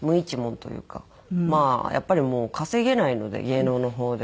やっぱりもう稼げないので芸能の方では。